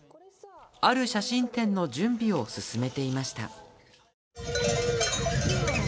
ある写真展の準備を進めていました。